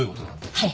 はい。